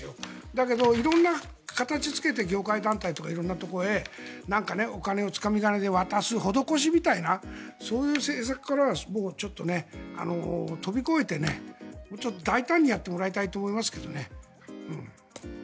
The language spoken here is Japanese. だけど、色んな形をつけて業界団体とかいろんなところへなんかお金をつかみ金で渡す施しみたいなそういう政策からはちょっと飛び越えてもうちょっと大胆にやってもらいたいと思いますけどね。